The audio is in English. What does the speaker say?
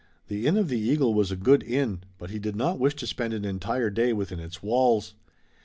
The Inn of the Eagle was a good inn, but he did not wish to spend an entire day within its walls.